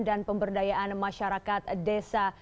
dan pemberdayaan masyarakat desa